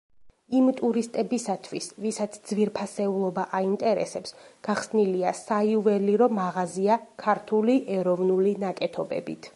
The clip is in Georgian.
იმ ტურისტებისათვის, ვისაც ძვირფასეულობა აინტერესებს, გახსნილია საიუველირო მაღაზია ქართული ეროვნული ნაკეთობებით.